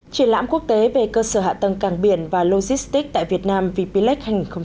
triển lãm quốc tế về cơ sở hạ tầng cảng biển và logistics tại việt nam vplec hai nghìn một mươi chín